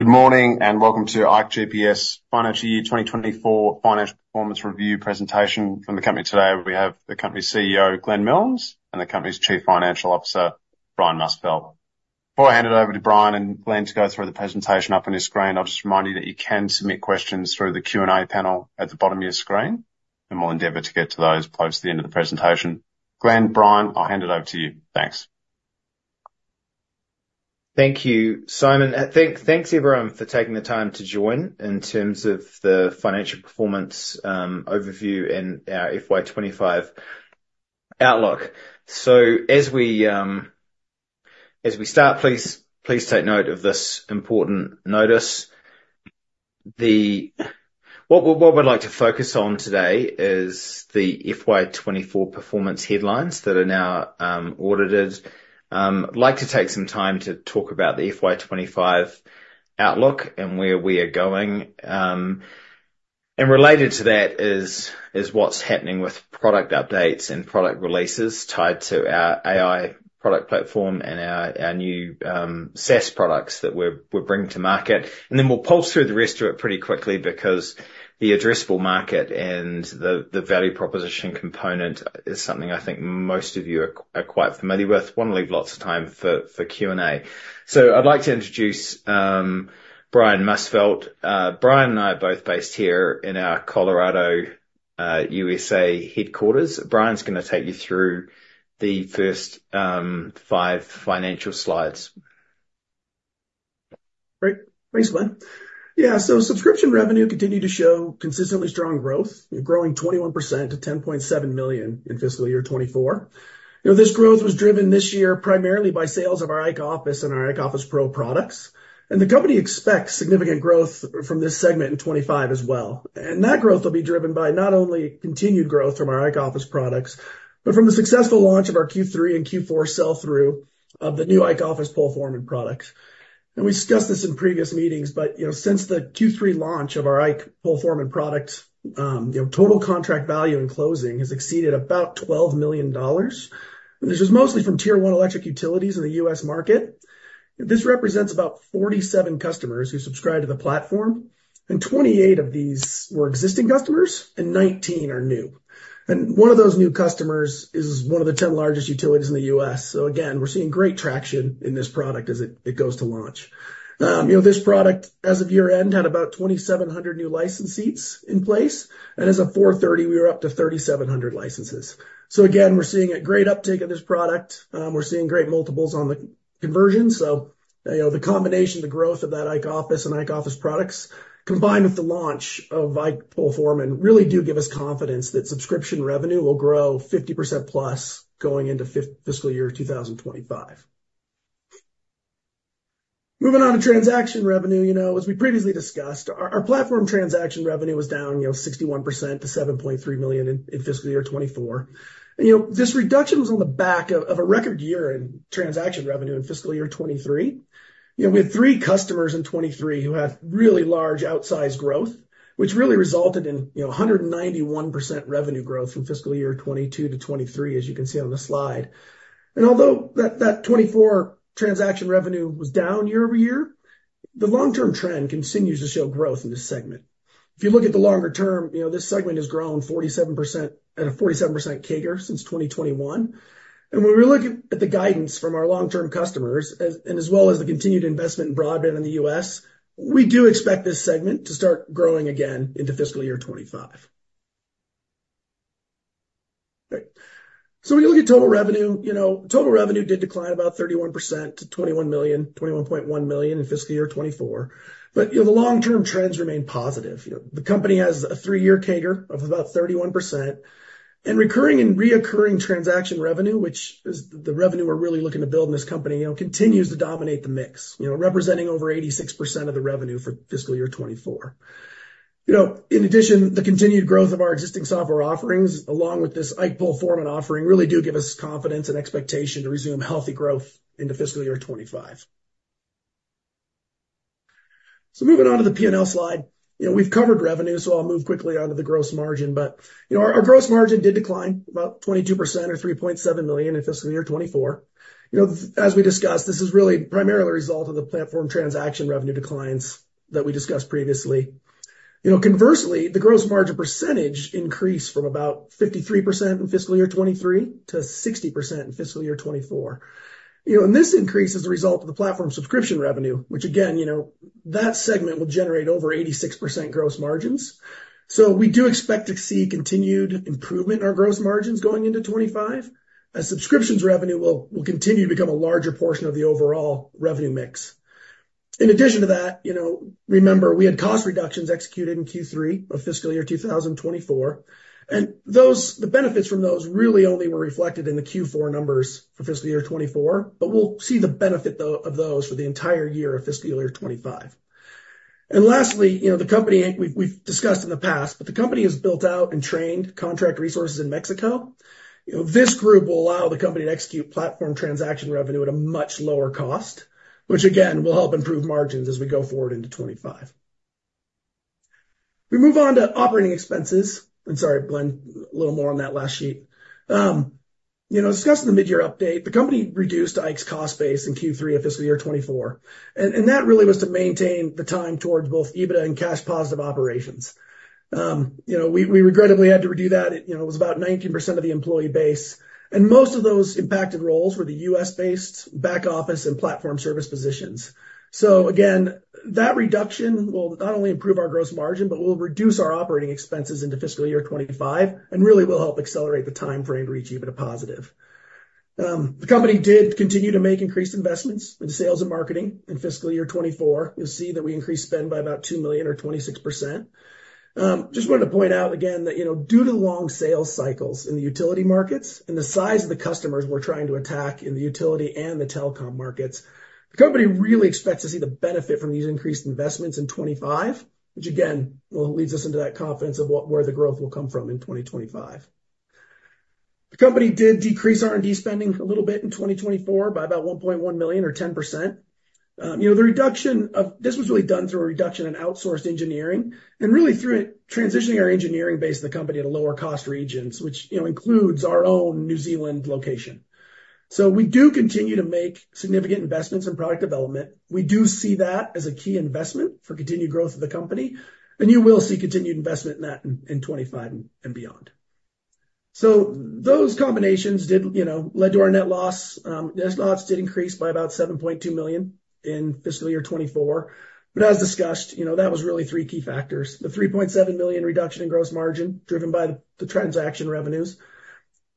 Good morning, and welcome to ikeGPS Financial Year 2024 Financial Performance Review presentation. From the company today, we have the company's CEO, Glenn Milnes, and the company's Chief Financial Officer, Brian Musfeldt. Before I hand it over to Brian and Glenn to go through the presentation up on your screen, I'll just remind you that you can submit questions through the Q&A panel at the bottom of your screen, and we'll endeavor to get to those close to the end of the presentation. Glenn, Brian, I'll hand it over to you. Thanks. Thank you, Simon. Thanks, everyone, for taking the time to join in terms of the financial performance overview and our FY 2025 outlook. So as we start, please take note of this important notice. What we'd like to focus on today is the FY 2024 performance headlines that are now audited. I'd like to take some time to talk about the FY 2025 outlook and where we are going. And related to that is what's happening with product updates and product releases tied to our AI product platform and our new SaaS products that we're bringing to market. And then we'll pulse through the rest of it pretty quickly because the addressable market and the value proposition component is something I think most of you are quite familiar with. Want to leave lots of time for Q&A. So I'd like to introduce Brian Musfeldt. Brian and I are both based here in our Colorado, USA headquarters. Brian's gonna take you through the first five financial slides. Great. Thanks, Glenn. Yeah, so subscription revenue continued to show consistently strong growth, growing 21% to 10.7 million in fiscal year 2024. You know, this growth was driven this year primarily by sales of our IKE Office and our IKE Office Pro products, and the company expects significant growth from this segment in 2025 as well. And that growth will be driven by not only continued growth from our IKE Office products, but from the successful launch of our Q3 and Q4 sell-through of the new IKE Office PoleForeman products. And we discussed this in previous meetings, but, you know, since the Q3 launch of our IKE PoleForeman product, you know, total contract value in closing has exceeded about $12 million. This is mostly from Tier 1 electric utilities in the U.S. market. This represents about 47 customers who subscribe to the platform, and 28 of these were existing customers and 19 are new. One of those new customers is one of the 10 largest utilities in the U.S. So again, we're seeing great traction in this product as it, it goes to launch. You know, this product, as of year-end, had about 2,700 new license seats in place, and as of 4/30, we were up to 3,700 licenses. So again, we're seeing a great uptake of this product. We're seeing great multiples on the conversion. So, you know, the combination, the growth of that IKE Office and IKE Office products, combined with the launch of IKE PoleForeman, really do give us confidence that subscription revenue will grow 50% plus, going into fiscal year 2025. Moving on to transaction revenue, you know, as we previously discussed, our platform transaction revenue was down, you know, 61% to $7.3 million in fiscal year 2024. You know, this reduction was on the back of a record year in transaction revenue in fiscal year 2023. You know, we had 3 customers in 2023 who had really large outsized growth, which really resulted in 191% revenue growth from fiscal year 2022-2023, as you can see on the slide. And although that 2024 transaction revenue was down year-over-year, the long-term trend continues to show growth in this segment. If you look at the longer term, you know, this segment has grown 47% at a 47% CAGR since 2021. When we look at the guidance from our long-term customers as well as the continued investment in broadband in the U.S., we do expect this segment to start growing again into fiscal year 2025. Great. So when you look at total revenue, you know, total revenue did decline about 31% to 21 million, 21.1 million in fiscal year 2024, but, you know, the long-term trends remain positive. You know, the company has a three-year CAGR of about 31%, and recurring and reoccurring transaction revenue, which is the revenue we're really looking to build in this company, you know, continues to dominate the mix, you know, representing over 86% of the revenue for fiscal year 2024. You know, in addition, the continued growth of our existing software offerings, along with this IKE PoleForeman offering, really do give us confidence and expectation to resume healthy growth into fiscal year 2025. So moving on to the P&L slide. You know, we've covered revenue, so I'll move quickly on to the gross margin, but, our gross margin did decline about 22% or $3.7 million in fiscal year 2024. You know, as we discussed, this is really primarily a result of the platform transaction revenue declines that we discussed previously. You know, conversely, the gross margin percentage increased from about 53% in fiscal year 2023 to 60% in fiscal year 2024. You know, and this increase is a result of the platform subscription revenue, which again, you know, that segment will generate over 86% gross margins. So we do expect to see continued improvement in our gross margins going into 2025, as subscriptions revenue will continue to become a larger portion of the overall revenue mix. In addition to that, you know, remember, we had cost reductions executed in Q3 of fiscal year 2024, and those--the benefits from those really only were reflected in the Q4 numbers for fiscal year 2024, but we'll see the benefit, though, of those for the entire year of fiscal year 2025. And lastly, you know, the company, we've discussed in the past, but the company has built out and trained contract resources in Mexico. You know, this group will allow the company to execute platform transaction revenue at a much lower cost, which again, will help improve margins as we go forward into 2025. We move on to operating expenses, and sorry, Glenn, a little more on that last sheet. You know, discussing the mid-year update, the company reduced ikeGPS's cost base in Q3 of fiscal year 2024, and, and that really was to maintain the time towards both EBITDA and cash positive operations. You know, we regrettably had to redo that. It, you know, it was about 19% of the employee base, and most of those impacted roles were the U.S.-based back office and platform service positions. So again, that reduction will not only improve our gross margin, but will reduce our operating expenses into fiscal year 2025, and really will help accelerate the timeframe to reach EBITDA positive. The company did continue to make increased investments in sales and marketing in fiscal year 2024. You'll see that we increased spend by about 2 million or 26%. Just wanted to point out again that, you know, due to long sales cycles in the utility markets and the size of the customers we're trying to attack in the utility and the telecom markets, the company really expects to see the benefit from these increased investments in 2025, which again, will leads us into that confidence of where the growth will come from in 2025. The company did decrease R&D spending a little bit in 2024 by about 1.1 million or 10%. You know, the reduction—this was really done through a reduction in outsourced engineering and really through transitioning our engineering base of the company to lower cost regions, which includes our own New Zealand location. So we do continue to make significant investments in product development. We do see that as a key investment for continued growth of the company, and you will see continued investment in that in 2025 and beyond. So those combinations did, you know, led to our net loss. Net loss did increase by about 7.2 million in fiscal year 2024, but as discussed, that was really three key factors. The 3.7 million reduction in gross margin, driven by the transaction revenues.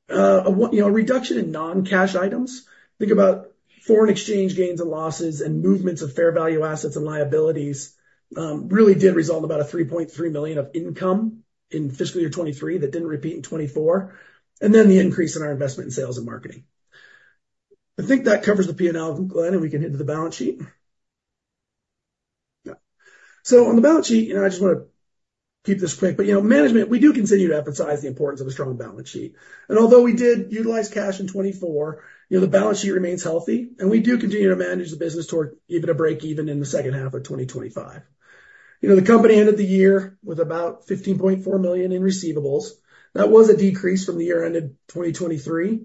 A reduction in non-cash items. Think about foreign exchange gains and losses and movements of fair value assets and liabilities, really did result in about a 3.3 million of income in fiscal year 2023. That didn't repeat in 2024, and then the increase in our investment in sales and marketing. I think that covers the P&L, Glenn, and we can get into the balance sheet. Yeah. So on the balance sheet, and I just wanna keep this quick, but, you know, management, we do continue to emphasize the importance of a strong balance sheet, and although we did utilize cash in 2024, you know, the balance sheet remains healthy, and we do continue to manage the business toward EBITDA break-even in the second half of 2025. You know, the company ended the year with about $15.4 million in receivables. That was a decrease from the year ended 2023.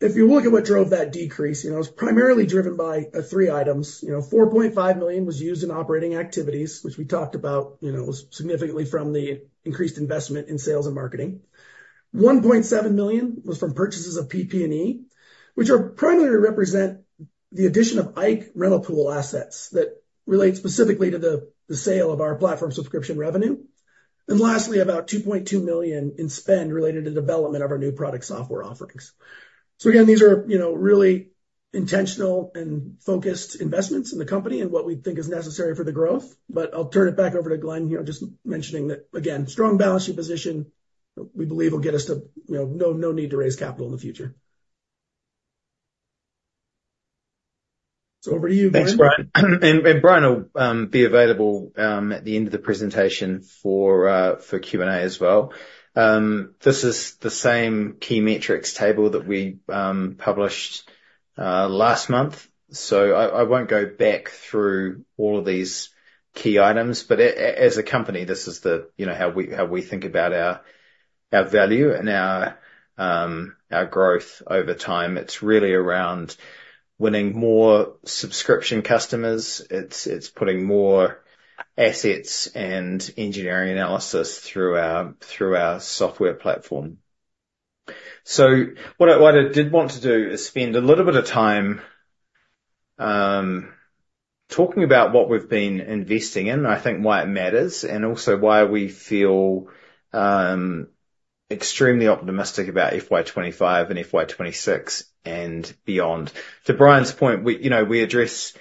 If you look at what drove that decrease, you know, it was primarily driven by three items. You know, $4.5 million was used in operating activities, which we talked about, you know, was significantly from the increased investment in sales and marketing. One point seven million was from purchases of PP&E, which are primarily represent the addition of IKE rental pool assets that relate specifically to the sale of our platform subscription revenue. And lastly, about two point two million in spend related to development of our new product software offerings. So again, these are really intentional and focused investments in the company and what we think is necessary for the growth. But I'll turn it back over to Glenn here, just mentioning that again, strong balance sheet position, we believe will get us to, you know, no, no need to raise capital in the future. So over to you, Glenn. Thanks, Brian. Brian will be available at the end of the presentation for Q&A as well. This is the same key metrics table that we published last month, so I won't go back through all of these key items, but as a company, this is, you know, how we think about our value and our growth over time. It's really around winning more subscription customers. It's putting more assets and engineering analysis through our software platform. So what I did want to do is spend a little bit of time talking about what we've been investing in, I think why it matters, and also why we feel extremely optimistic about FY 2025 and FY 2026 and beyond. To Brian's point, we, you know, we address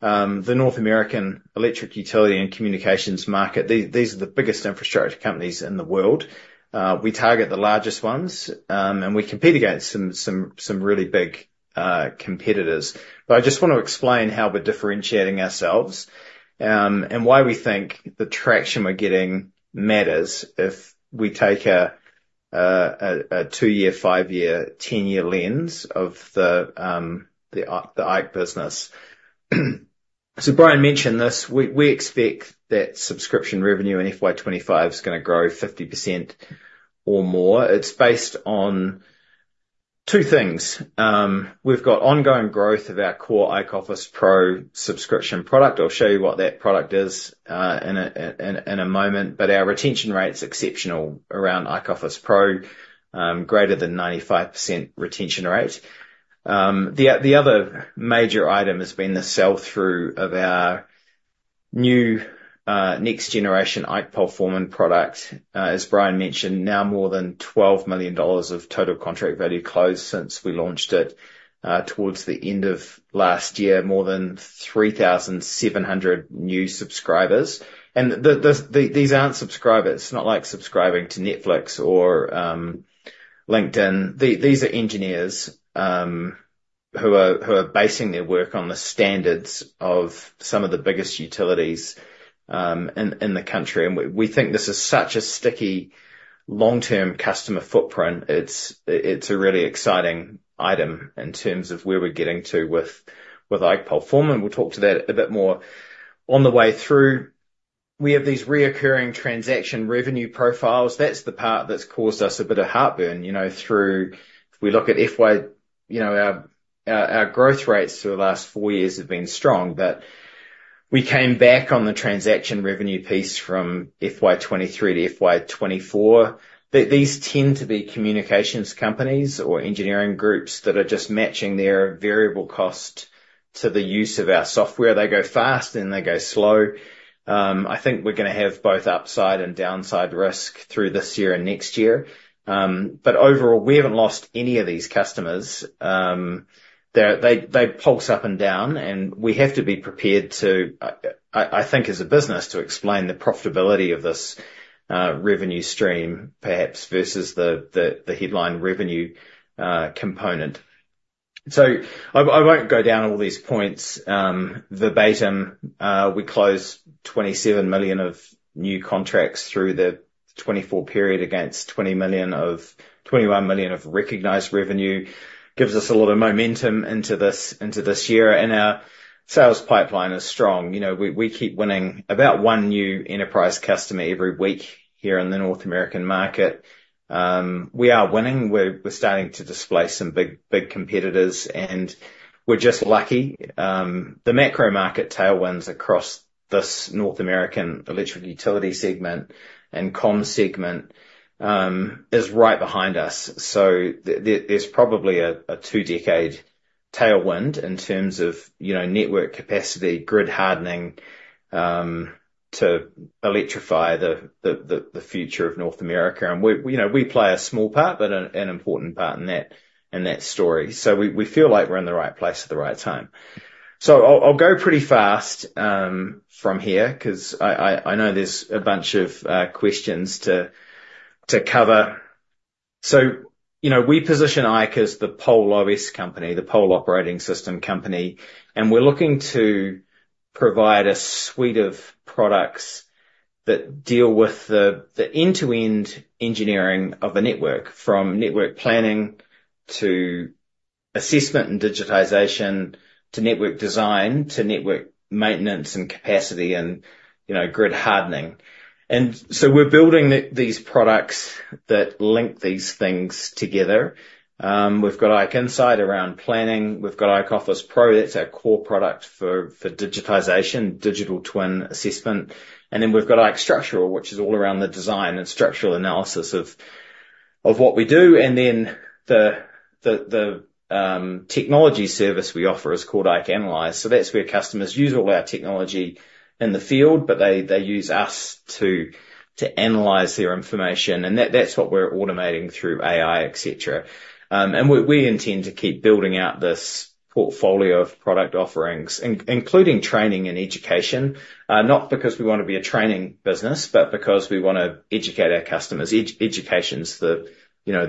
the North American electric utility and communications market. These are the biggest infrastructure companies in the world. We target the largest ones, and we compete against some really big competitors. But I just want to explain how we're differentiating ourselves, and why we think the traction we're getting matters if we take a two-year, five-year, ten-year lens of the IKE business. So Brian mentioned this, we expect that subscription revenue in FY 2025 is gonna grow 50% or more. It's based on two things. We've got ongoing growth of our core IKE Office Pro subscription product. I'll show you what that product is in a moment, but our retention rate's exceptional around IKE Office Pro, greater than 95% retention rate. The other major item has been the sell-through of our new next-generation IKE PoleForeman product. As Brian mentioned, now more than $12 million of total contract value closed since we launched it towards the end of last year, more than 3,700 new subscribers. And these aren't subscribers. It's not like subscribing to Netflix or LinkedIn. These are engineers who are basing their work on the standards of some of the biggest utilities in the country. And we think this is such a sticky, long-term customer footprint. It's a really exciting item in terms of where we're getting to with IKE PoleForeman. We'll talk to that a bit more on the way through. We have these recurring transaction revenue profiles. That's the part that's caused us a bit of heartburn, you know, through. If we look at FY, you know, our growth rates through the last four years have been strong, but we came back on the transaction revenue piece from FY 2023-FY 2024. These tend to be communications companies or engineering groups that are just matching their variable cost to the use of our software. They go fast, and they go slow. I think we're going to have both upside and downside risk through this year and next year. But overall, we haven't lost any of these customers. They pulse up and down, and we have to be prepared to, I think, as a business, to explain the profitability of this revenue stream, perhaps versus the headline revenue component. So I won't go down all these points verbatim. We closed $27 million of new contracts through the 2024 period against $21 million of recognized revenue. Gives us a lot of momentum into this year, and our sales pipeline is strong. You know, we keep winning about one new enterprise customer every week here in the North American market. We are winning. We're starting to displace some big competitors, and we're just lucky. The macro market tailwinds across this North American electric utility segment and comm segment is right behind us. There's probably a two-decade tailwind in terms of, you know, network capacity, grid hardening, to electrify the future of North America. And we, you know, we play a small part, but an important part in that story. So we feel like we're in the right place at the right time. So I'll go pretty fast from here, because I know there's a bunch of questions to cover. So, you know, we position IKE as the PoleOS company, the pole operating system company, and we're looking to provide a suite of products that deal with the end-to-end engineering of the network, from network planning to assessment and digitization, to network design, to network maintenance and capacity and, you know, grid hardening. So we're building these products that link these things together. We've got IKE Insight around planning. We've got IKE Office Pro. That's our core product for digitization, digital twin assessment. And then we've got IKE Structural, which is all around the design and structural analysis of what we do. And then the technology service we offer is called IKE Analyze. So that's where customers use all our technology in the field, but they use us to analyze their information, and that's what we're automating through AI, et cetera. And we intend to keep building out this portfolio of product offerings, including training and education, not because we want to be a training business, but because we want to educate our customers. Education's the, you know,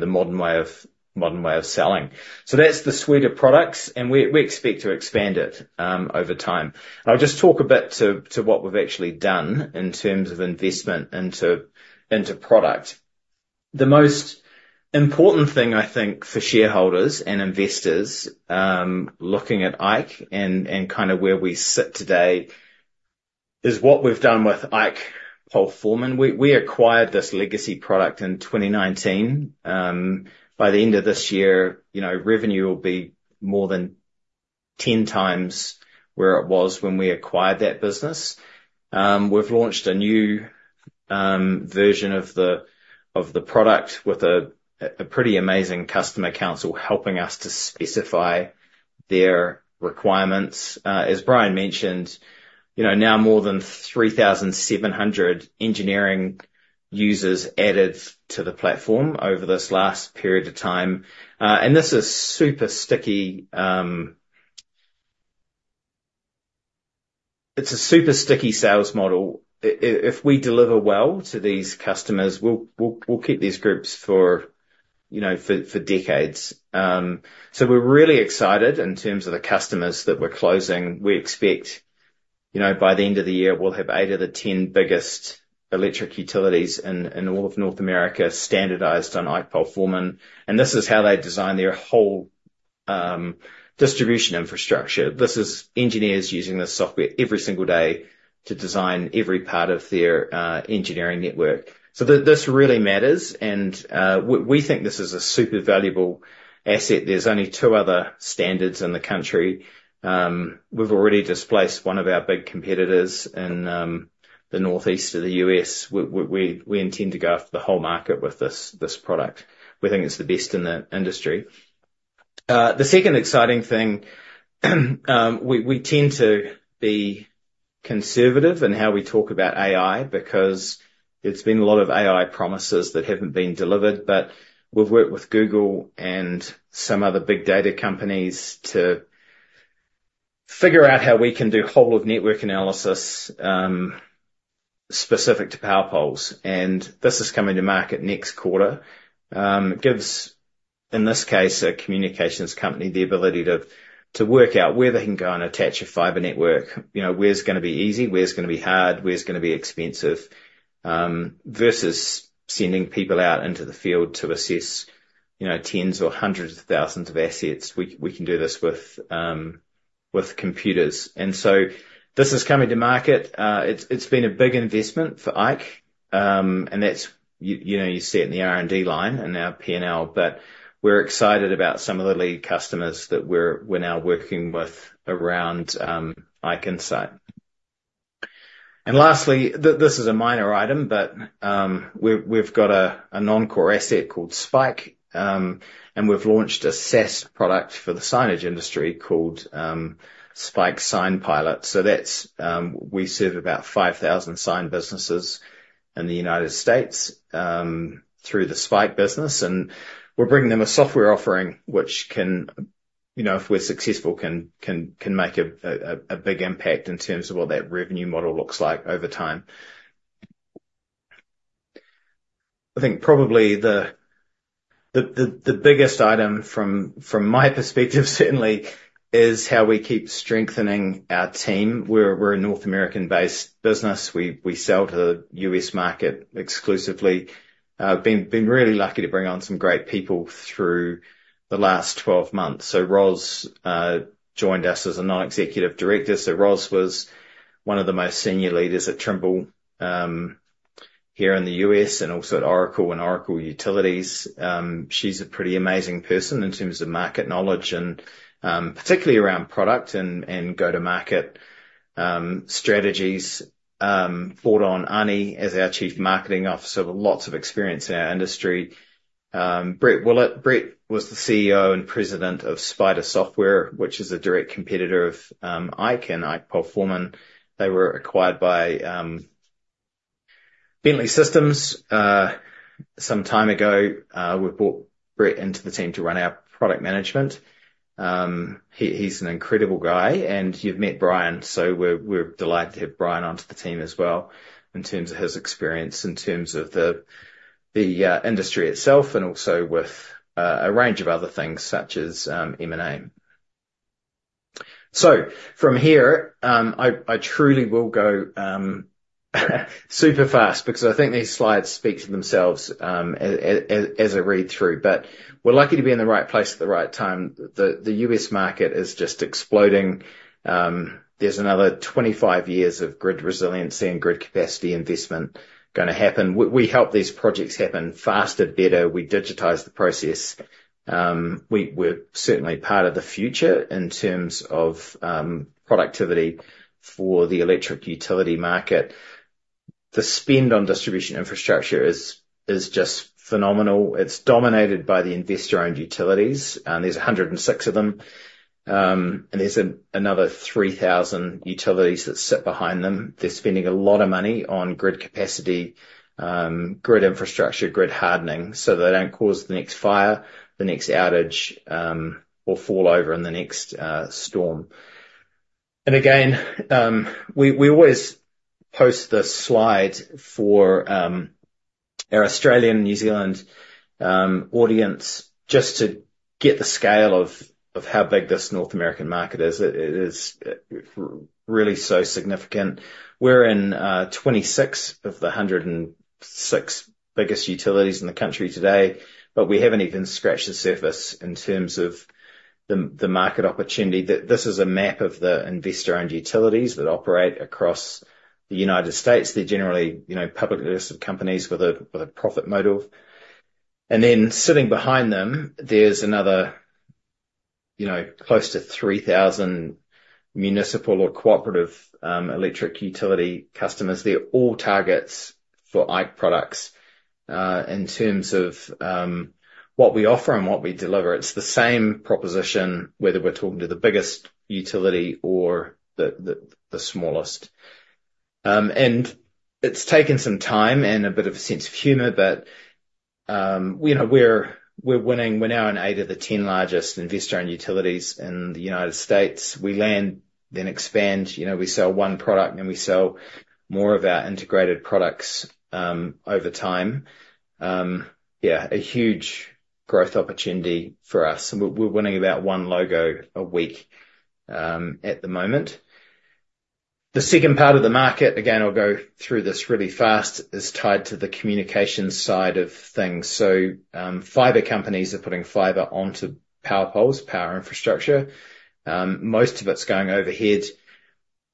modern way of selling. So that's the suite of products, and we expect to expand it over time. I'll just talk a bit to what we've actually done in terms of investment into product. The most important thing, I think, for shareholders and investors, looking at IKE and kinda where we sit today, is what we've done with IKE PoleForeman. We acquired this legacy product in 2019. By the end of this year, you know, revenue will be more than 10x where it was when we acquired that business. We've launched a new version of the product with a pretty amazing customer council helping us to specify their requirements. As Brian mentioned, you know, now more than 3,700 engineering users added to the platform over this last period of time. And this is super sticky. It's a super sticky sales model. If we deliver well to these customers, we'll keep these groups for, you know, decades. So we're really excited in terms of the customers that we're closing. We expect by the end of the year, we'll have eight of the 10 biggest electric utilities in all of North America standardized on IKE PoleForeman, and this is how they design their whole distribution infrastructure. This is engineers using this software every single day to design every part of their engineering network. So this really matters, and we think this is a super valuable asset. There's only two other standards in the country. We've already displaced one of our big competitors in the northeast of the U.S. We intend to go after the whole market with this product. We think it's the best in the industry. The second exciting thing, we tend to be conservative in how we talk about AI, because there's been a lot of AI promises that haven't been delivered. But we've worked with Google and some other big data companies to figure out how we can do whole-of-network analysis, specific to power poles, and this is coming to market next quarter. It gives, in this case, a communications company, the ability to work out where they can go and attach a fiber network. You know, where's gonna be easy, where's gonna be hard, where's gonna be expensive, versus sending people out into the field to assess, you know, tens or hundreds of thousands of assets. We can do this with computers. And so this is coming to market. It's been a big investment for IKE, and that's, you know, you see it in the R&D line and our P&L, but we're excited about some of the lead customers that we're now working with around IKE Insight. And lastly, this is a minor item, but we've got a non-core asset called Spike, and we've launched a SaaS product for the signage industry called Spike SignPilot. So that's, we serve about 5,000 sign businesses in the United States through the Spike business, and we're bringing them a software offering, which can, you know, if we're successful, can make a big impact in terms of what that revenue model looks like over time. I think probably the biggest item from my perspective, certainly, is how we keep strengthening our team. We're a North American-based business. We sell to the U.S. market exclusively. Been really lucky to bring on some great people through the last 12 months. So, Roz joined us as a Non-Executive Director. So Roz was one of the most senior leaders at Trimble here in the U.S., and also at Oracle and Oracle Utilities. She's a pretty amazing person in terms of market knowledge and particularly around product and go-to-market strategies. Brought on Ani as our Chief Marketing Officer, with lots of experience in our industry. Brett Willitt. Brett was the CEO and President of SPIDA Software, which is a direct competitor of IKE and IKE PoleForeman. They were acquired by Bentley Systems some time ago. We brought Brett into the team to run our product management. He, he's an incredible guy, and you've met Brian, so we're delighted to have Brian onto the team as well, in terms of his experience, in terms of the industry itself, and also with a range of other things, such as M&A. So from here, I truly will go super fast because I think these slides speak for themselves, as I read through, but we're lucky to be in the right place at the right time. The U.S. market is just exploding. There's another 25 years of grid resiliency and grid capacity investment gonna happen. We help these projects happen faster, better. We digitize the process. We're certainly part of the future in terms of productivity for the electric utility market. The spend on distribution infrastructure is just phenomenal. It's dominated by the investor-owned utilities, and there's 106 of them, and there's another 3,000 utilities that sit behind them. They're spending a lot of money on grid capacity, grid infrastructure, grid hardening, so they don't cause the next fire, the next outage, or fall over in the next storm. And again, we always post this slide for our Australian and New Zealand audience, just to get the scale of how big this North American market is. It is really so significant. We're in 26 of the 106 biggest utilities in the country today, but we haven't even scratched the surface in terms of the market opportunity. This is a map of the investor-owned utilities that operate across the United States. They're generally, you know, publicly listed companies with a profit motive. And then sitting behind them, there's another close to 3,000 municipal or cooperative electric utility customers. They're all targets for IKE products. In terms of what we offer and what we deliver, it's the same proposition whether we're talking to the biggest utility or the smallest. And it's taken some time and a bit of a sense of humor, but we know we're winning. We're now in 8 of the 10 largest investor-owned utilities in the United States. We land, then expand. You know, we sell one product, and we sell more of our integrated products over time. Yeah, a huge growth opportunity for us, and we're winning about one logo a week, at the moment. The second part of the market, again, I'll go through this really fast, is tied to the communication side of things. So, fiber companies are putting fiber onto power poles, power infrastructure. Most of it's going overhead.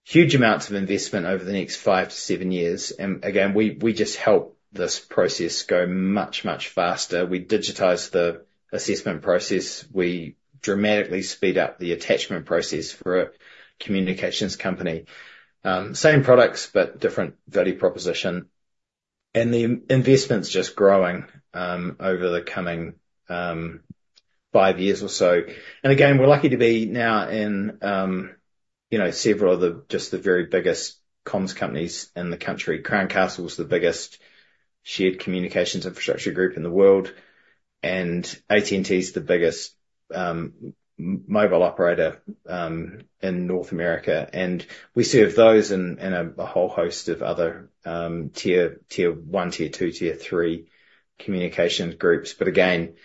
Huge amounts of investment over the next five to seven years, and again, we just help this process go much, much faster. We digitize the assessment process. We dramatically speed up the attachment process for a communications company. Same products, but different value proposition, and the investment's just growing, over the coming, five years or so. And again, we're lucky to be now in several of the, just the very biggest comms companies in the country. Crown Castle is the biggest shared communications infrastructure group in the world, and AT&T is the biggest mobile operator in North America, and we serve those and a whole host of other tier one, tier two, tier three communications groups. But again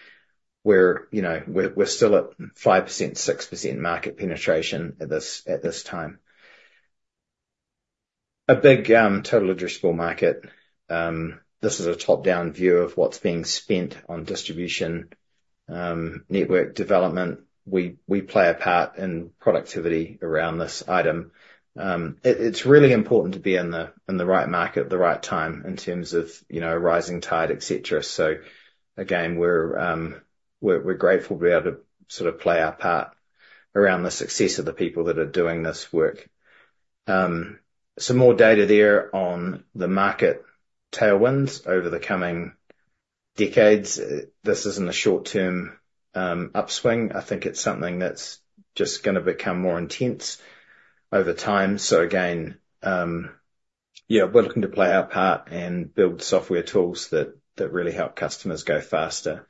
we're still at 5%, 6% market penetration at this time. A big total addressable market. This is a top-down view of what's being spent on distribution network development. We play a part in productivity around this item. It's really important to be in the right market at the right time in terms of, you know, rising tide, et cetera. So again, we're grateful to be able to sort of play our part around the success of the people that are doing this work. Some more data there on the market tailwinds over the coming decades. This isn't a short-term upswing. I think it's something that's just gonna become more intense over time. So again, yeah, we're looking to play our part and build software tools that really help customers go faster.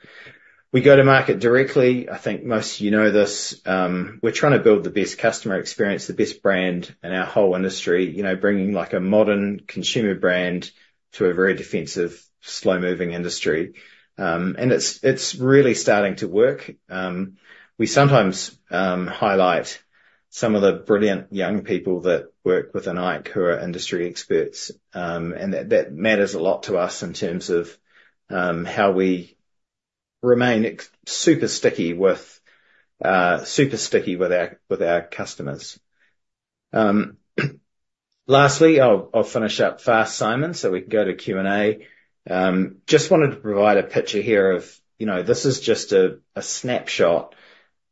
We go to market directly. I think most of you know this, we're trying to build the best customer experience, the best brand in our whole industry, you know, bringing, like, a modern consumer brand to a very defensive, slow-moving industry. And it's really starting to work. We sometimes highlight some of the brilliant young people that work within IKE, who are industry experts. And that matters a lot to us in terms of how we remain super sticky with our customers. Lastly, I'll finish up fast, Simon, so we can go to Q&A. Just wanted to provide a picture here of, you know, this is just a snapshot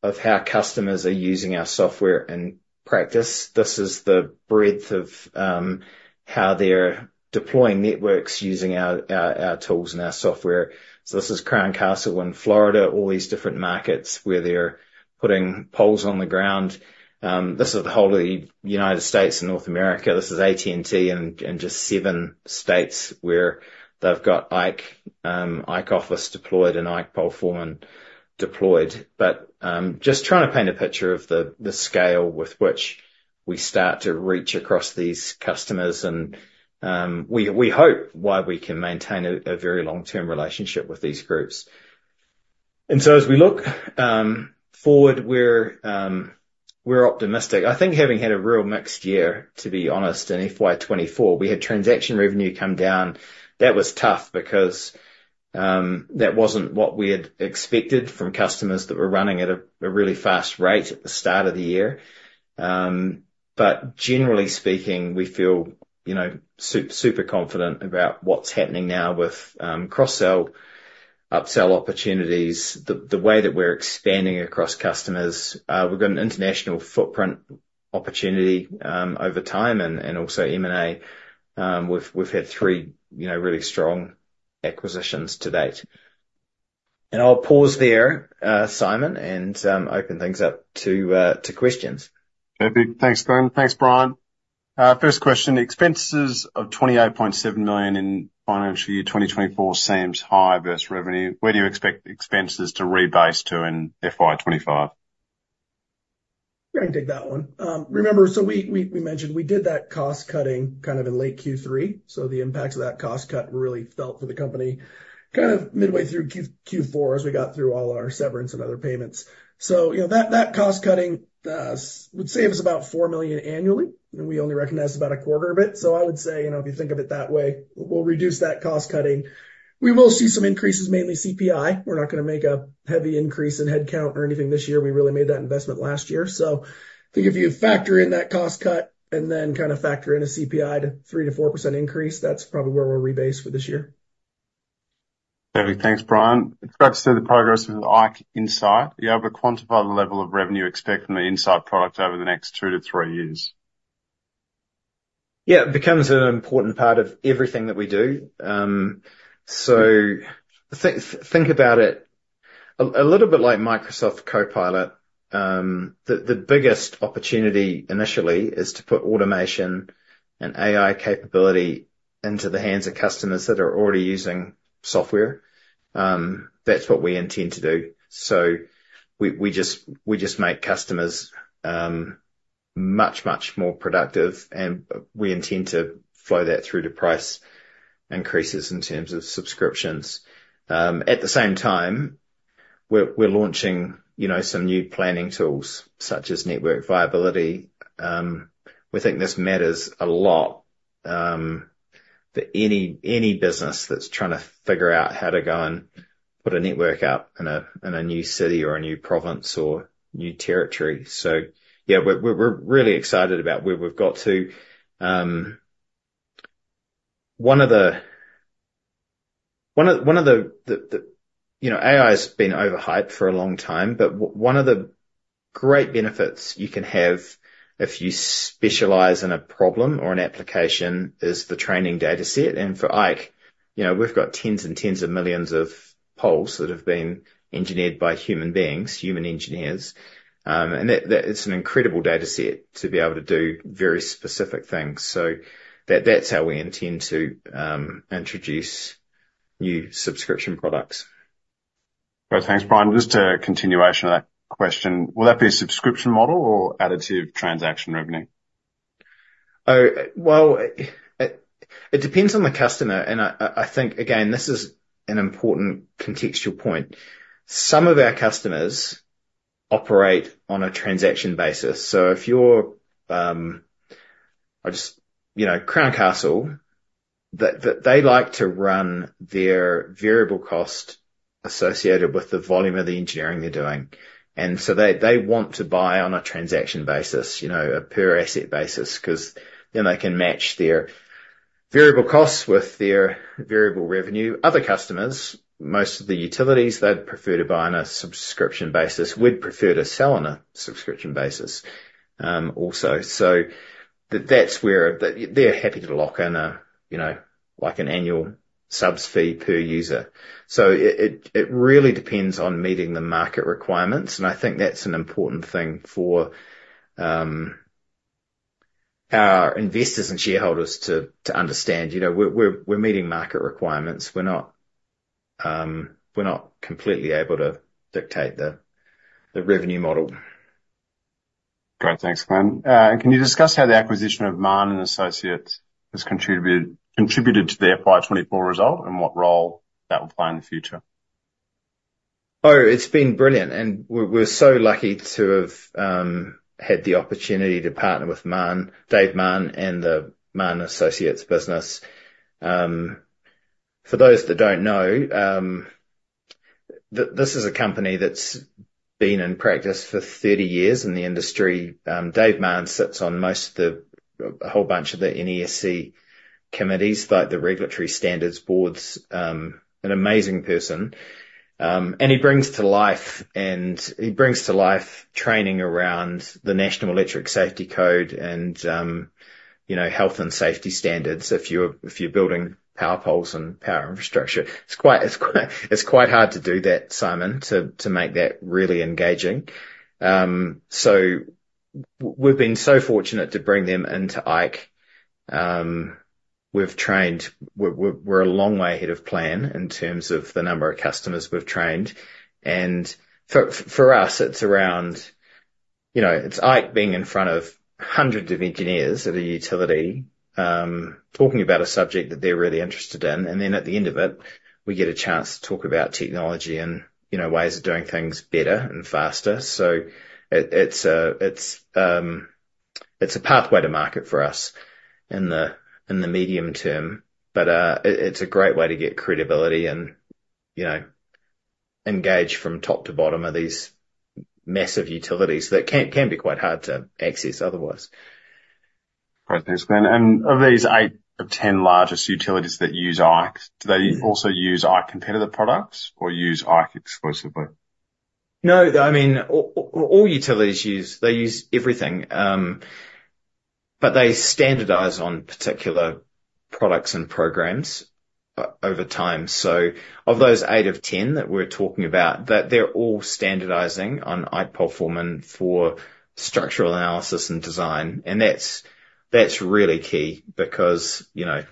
of how customers are using our software in practice. This is the breadth of how they're deploying networks using our tools and our software. So this is Crown Castle in Florida, all these different markets where they're putting poles on the ground. This is the whole of the United States and North America. This is AT&T in just seven states where they've got IKE Office deployed, and IKE PoleForeman deployed. But just trying to paint a picture of the scale with which we start to reach across these customers, and we hope why we can maintain a very long-term relationship with these groups. So as we look forward, we're optimistic. I think having had a real mixed year, to be honest, in FY 2024, we had transaction revenue come down. That was tough because that wasn't what we had expected from customers that were running at a really fast rate at the start of the year. But generally speaking, we feel, you know, super confident about what's happening now with cross-sell, up-sell opportunities, the way that we're expanding across customers. We've got an international footprint opportunity over time and also M&A. We've had three really strong acquisitions to date. And I'll pause there, Simon, and open things up to questions. Okay. Thanks, Glenn. Thanks, Brian. First question, expenses of 28.7 million in financial year 2024 seems high versus revenue. Where do you expect expenses to rebase to in FY 2025? Yeah, I can take that one. Remember, so we mentioned we did that cost-cutting kind of in late Q3, so the impacts of that cost cut really felt for the company kind of midway through Q4, as we got through all our severance and other payments. So, you know, that cost-cutting would save us about 4 million annually, and we only recognize about a quarter of it. So I would say, you know, if you think of it that way, we'll reduce that cost-cutting. We will see some increases, mainly CPI. We're not gonna make a heavy increase in headcount or anything this year. We really made that investment last year. I think if you factor in that cost cut and then kind of factor in a CPI to 3%-4% increase, that's probably where we're rebase for this year. Perfect. Thanks, Brian. It's great to see the progress with IKE Insight. Are you able to quantify the level of revenue you expect from the Insight product over the next two to three years? Yeah, it becomes an important part of everything that we do. So think about it a little bit like Microsoft Copilot. The biggest opportunity initially is to put automation and AI capability into the hands of customers that are already using software. That's what we intend to do. So we just make customers much more productive, and we intend to flow that through to price increases in terms of subscriptions. At the same time, we're launching, you know, some new planning tools, such as network viability. We think this matters a lot for any business that's trying to figure out how to go and put a network up in a new city, or a new province or new territory. So yeah, we're really excited about where we've got to. You know, AI's been overhyped for a long time, but one of the great benefits you can have if you specialize in a problem or an application is the training dataset. And for IKE, you know, we've got tens and tens of millions of poles that have been engineered by human beings, human engineers, and that it's an incredible dataset to be able to do very specific things. So that's how we intend to introduce new subscription products. Great. Thanks, Brian. Just a continuation of that question, will that be a subscription model or additive transaction revenue? Oh, well, it depends on the customer, and I think, again, this is an important contextual point. Some of our customers operate on a transaction basis. So if you're, I just, you know, Crown Castle, they like to run their variable cost associated with the volume of the engineering they're doing, and so they want to buy on a transaction basis, you know, a per asset basis, because then they can match their variable costs with their variable revenue. Other customers, most of the utilities, they'd prefer to buy on a subscription basis. We'd prefer to sell on a subscription basis, also. So that's where they are happy to lock in a, you know, like an annual subs fee per user. So it really depends on meeting the market requirements, and I think that's an important thing for our investors and shareholders to understand. You know, we're meeting market requirements. We're not completely able to dictate the revenue model. Great. Thanks, Glenn. And can you discuss how the acquisition of Marne & Associates has contributed to the FY 2024 result, and what role that will play in the future? Oh, it's been brilliant, and we're so lucky to have had the opportunity to partner with Marne, David Marne, and the Marne & Associates business. For those that don't know, this is a company that's been in practice for 30 years in the industry. David Marne sits on most of the, a whole bunch of the NESC committees, like the Regulatory Standards Boards. An amazing person, and he brings to life training around the National Electrical Safety Code and, you know, health and safety standards. If you're building power poles and power infrastructure, it's quite hard to do that, Simon, to make that really engaging. So we've been so fortunate to bring them into IKE. We've trained-- We're a long way ahead of plan in terms of the number of customers we've trained. And for us, it's around, you know, it's IKE being in front of hundreds of engineers at a utility, talking about a subject that they're really interested in, and then at the end of it, we get a chance to talk about technology and ways of doing things better and faster. So it's a pathway to market for us in the medium term. But it's a great way to get credibility and, you know, engage from top to bottom of these massive utilities that can be quite hard to access otherwise. Great. Thanks, Glenn. And of these 8 of 10 largest utilities that use IKE, do they also use IKE competitor products or use IKE exclusively? No, I mean, all utilities use, they use everything. But they standardize on particular products and programs over time. So of those 8 of 10 that we're talking about, that they're all standardizing on IKE PoleForeman for structural analysis and design, and that's really key because, you know,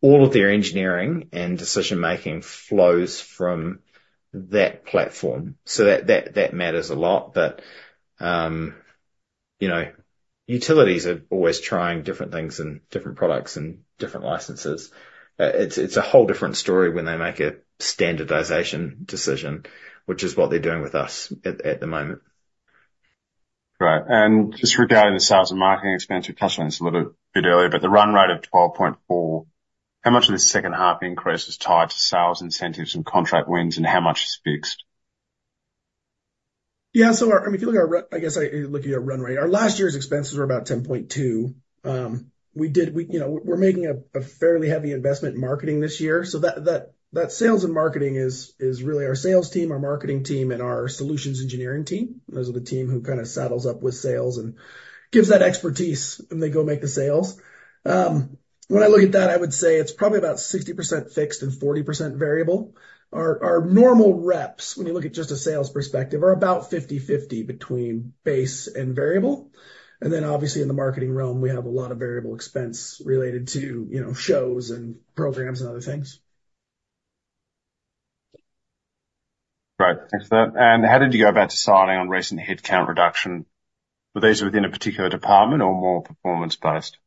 all of their engineering and decision-making flows from that platform. So that matters a lot. But, you know, utilities are always trying different things and different products and different licenses. It's a whole different story when they make a standardization decision, which is what they're doing with us at the moment. Right. And just regarding the sales and marketing expense, we touched on this a little bit earlier, but the run rate of 12.4, how much of the second half increase is tied to sales incentives and contract wins, and how much is fixed? Yeah, so, I mean, if you look at our—I guess, looking at run rate, our last year's expenses were about $10.2. We did, we, you know, we're making a fairly heavy investment in marketing this year, so that sales and marketing is, is really our sales team, our marketing team, and our solutions engineering team. Those are the team who kind of saddles up with sales and gives that expertise when they go make the sales. When I look at that, I would say it's probably about 60% fixed and 40% variable. Our, normal reps, when you look at just a sales perspective, are about 50/50 between base and variable. And then, obviously, in the marketing realm, we have a lot of variable expense related to, you know, shows and programs and other things. Great. Thanks for that. How did you go about deciding on recent headcount reduction? Were these within a particular department or more performance-based?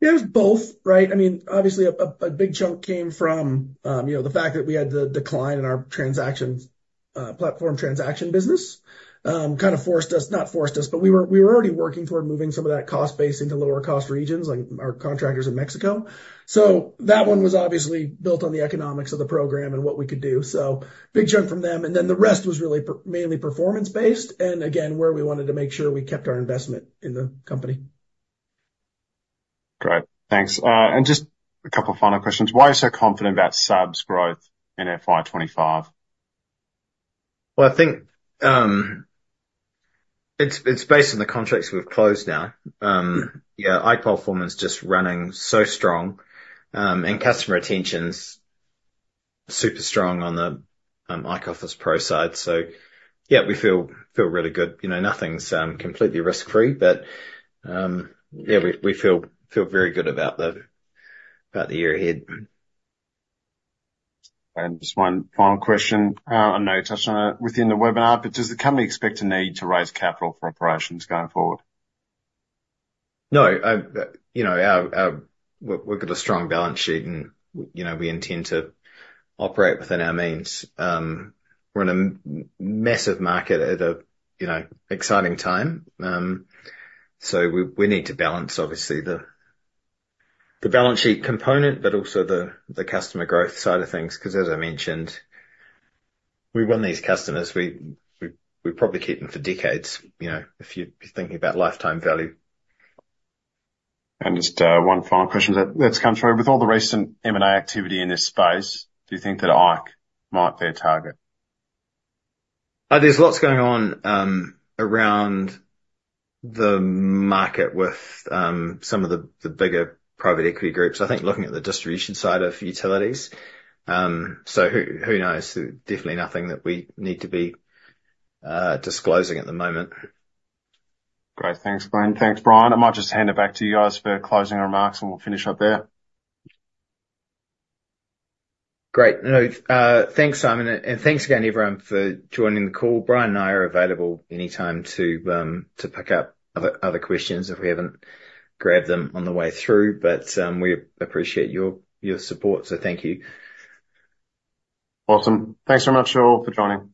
Yeah, it was both, right? I mean, obviously a big chunk came from the fact that we had the decline in our transactions, platform transaction business. Kind of forced us, not forced us, but we were already working toward moving some of that cost base into lower cost regions, like our contractors in Mexico. So that one was obviously built on the economics of the program and what we could do. So big chunk from them, and then the rest was really mainly performance-based, and again, where we wanted to make sure we kept our investment in the company. Great, thanks. Just a couple final questions. Why are you so confident about subs growth in FY 2025? Well, I think, it's based on the contracts we've closed now. Yeah, IKE Performance is just running so strong, and customer retention's super strong on the IKE Office Pro side. So yeah, we feel really good. You know, nothing's completely risk-free, but yeah, we feel very good about the year ahead. Just one final question. I know you touched on it within the webinar, but does the company expect a need to raise capital for operations going forward? No, you know, our--we've got a strong balance sheet, and, you know, we intend to operate within our means. We're in a massive market at a exciting time. So we need to balance obviously the balance sheet component, but also the customer growth side of things, because as I mentioned, we win these customers, we probably keep them for decades, you know, if you're thinking about lifetime value. Just one final question that's come through. With all the recent M&A activity in this space, do you think that ikeGPS might be a target? There's lots going on around the market with some of the bigger private equity groups. I think looking at the distribution side of utilities, so who knows? Definitely nothing that we need to be disclosing at the moment. Great. Thanks, Glenn. Thanks, Brian. I might just hand it back to you guys for closing remarks, and we'll finish up there. Great. No, thanks, Simon, and thanks again, everyone, for joining the call. Brian and I are available anytime to pick up other questions if we haven't grabbed them on the way through, but we appreciate your support, so thank you. Awesome. Thanks so much, you all, for joining.